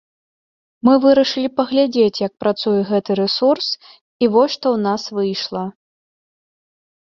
Мы вырашылі паглядзець, як працуе гэты рэсурс, і вось што ў нас выйшла.